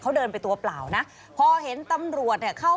เขาเดินไปตัวเปล่านะพอเห็นตำรวจเนี่ยเข้า